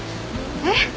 えっ？